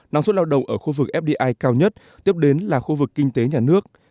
năng suất lao động ở khu vực fdi cao nhất tiếp đến là khu vực kinh tế nhà nước